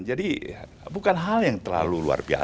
jadi bukan hal yang terlalu luar biasa